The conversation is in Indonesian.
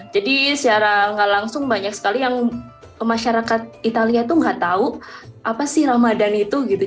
jadi secara nggak langsung banyak sekali yang masyarakat italia itu nggak tahu apa sih ramadan itu gitu